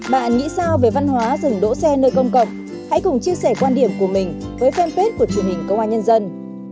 bạn nghĩ sao về văn hóa dừng đỗ xe nơi công cộng hãy cùng chia sẻ quan điểm của mình với fanpage của truyền hình công an nhân dân